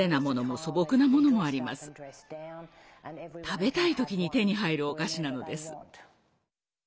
食べたい時に手に入るお菓子なのです。